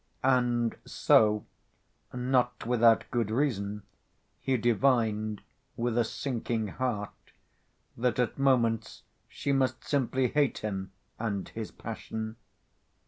And so, not without good reason, he divined, with a sinking heart, that at moments she must simply hate him and his passion.